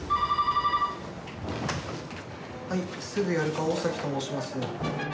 はい、すぐやる課大崎と申します。